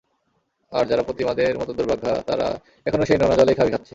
আর, যারা প্রতিমাদের মতো দুর্ভাগা, তারা এখনো সেই নোনা জলেই খাবি খাচ্ছে।